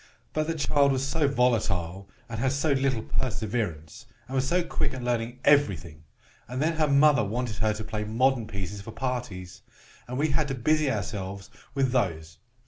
But the child was so volatile, and had so little perseverance, and was so quick at learning every thing! And then her mother wanted her to play modern pieces for parties, and we had to busy ourselves with those.